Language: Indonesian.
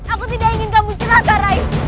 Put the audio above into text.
aku tidak ingin kamu cerahkan rai